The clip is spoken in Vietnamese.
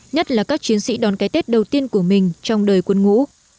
nhất là các chiến sĩ đón cái tết đầu tiên của mình trong đời quân ngũ